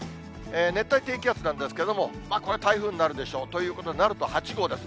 熱帯低気圧なんですけれども、これ、台風になるでしょうと。ということで、なると８号です。